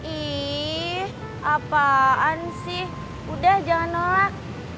ih apaan sih udah jangan nolak